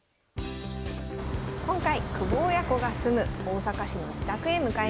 今回久保親子が住む大阪市の自宅へ向かいました。